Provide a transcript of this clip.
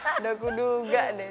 udah aku duga deh